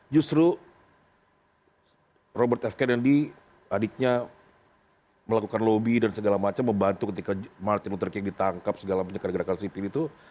justru robert f kennedy adiknya melakukan lobby dan segala macam membantu ketika martin luther king ditangkap segala penyekat gerakan sipil itu